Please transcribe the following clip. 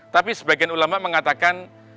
tapi sebagian ulama mengatakan